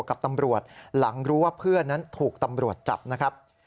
กับตำรวจหลังรู้ว่าเพื่อนนั้นถูกตำรวจจับนะครับ